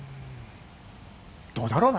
どうだろうな？